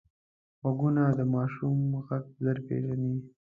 غوږونه د ماشوم غږ ژر پېژني